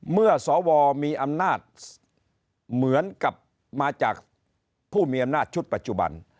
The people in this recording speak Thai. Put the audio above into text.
สวมีอำนาจเหมือนกับมาจากผู้มีอำนาจชุดปัจจุบัน